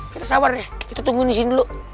kita sabar deh kita tunggu disini dulu